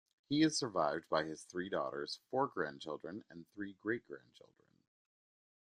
He is survived by his three daughters, four grandchildren, and three great-grandchildren.